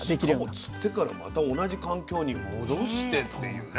しかも釣ってからまた同じ環境に戻してっていうね